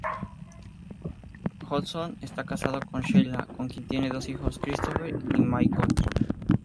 Hodgson está casado con Sheila, con quien tiene dos hijos, Christopher y Michael.